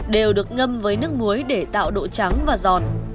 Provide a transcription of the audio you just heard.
đều được ngâm với nước muối để tạo độ trắng và giọt